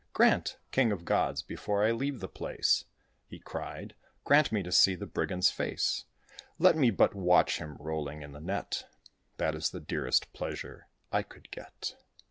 "Grant, king of gods, before I leave the place," He cried, "grant me to see the brigand's face. Let me but watch him rolling in the net. That is the dearest pleasure I could get!"